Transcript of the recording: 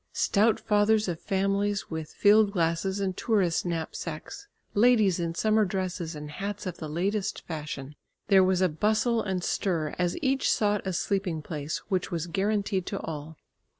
Stout fathers of families with field glasses and tourist knapsacks, ladies in summer dresses and hats of the latest fashion. There was a bustle and stir, as each sought a sleeping place which was guaranteed to all.